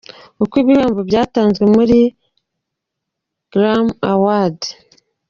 Uko ibihembo byatanzwe muri Grammy Awards.